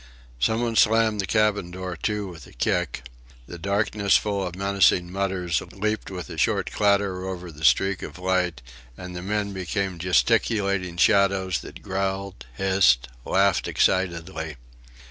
Somebody slammed the cabin door to with a kick; the darkness full of menacing mutters leaped with a short clatter over the streak of light, and the men became gesticulating shadows that growled, hissed, laughed excitedly.